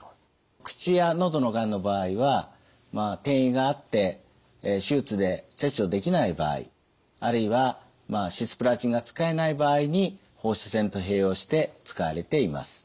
口や喉のがんの場合は転移があって手術で切除できない場合あるいはシスプラチンが使えない場合に放射線と併用して使われています。